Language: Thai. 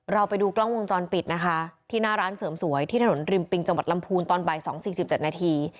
เราไปดูกล้องวงจรปิดนะคะที่หน้าร้านเสริมสวยที่ถนนริมปิงจังหวัดลำพูนตอนบ่าย๒๔๗นาที